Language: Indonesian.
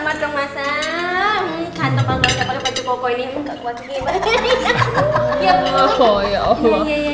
cantik banget kalau pak cukoko ini nggak buat game